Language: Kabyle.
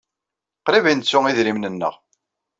Qrib ay nettu idrimen-nneɣ.